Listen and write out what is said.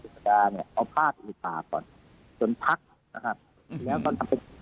จิตเตอร์ยาเนี่ยเอาภาพอีกฝาก่อนจนพักนะครับแล้วก็ทำเป็น